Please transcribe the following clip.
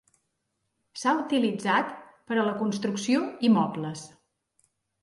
S'ha utilitzat per a la construcció i mobles.